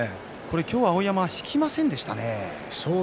今日、碧山は引きませんでしたね。